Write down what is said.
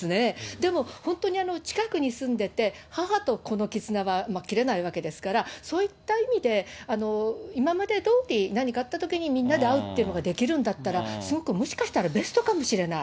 でも、本当に近くに住んでて、母と子の絆は切れないわけですから、そういった意味で、今までどおり、何かあったときにみんなで会うということができるんだったら、すごくもしかしたらベストかもしれない。